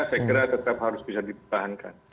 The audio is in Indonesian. saya kira tetap harus bisa dipertahankan